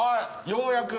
ようやく。